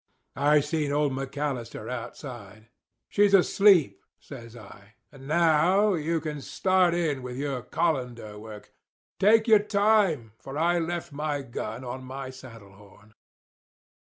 "I seen old McAllister outside. 'She's asleep,' says I. 'And now you can start in with your colander work. Take your time; for I left my gun on my saddle horn.